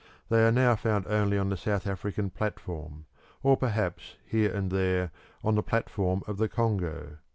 They are now found only on the South African platform, or perhaps here and there on the platform of the Congo.